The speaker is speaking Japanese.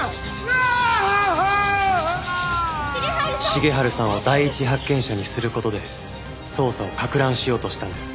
重治さんを第一発見者にする事で捜査を攪乱しようとしたんです。